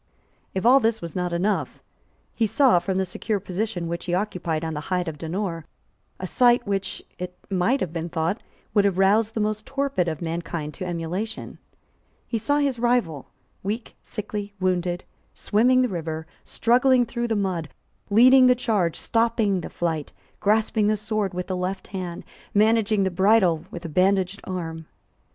If all this was not enough, he saw, from the secure position which he occupied on the height of Donore, a sight which, it might have been thought, would have roused the most torpid of mankind to emulation. He saw his rival, weak, sickly, wounded, swimming the river, struggling through the mud, leading the charge, stopping the flight, grasping the sword with the left hand, managing the bridle with a bandaged arm.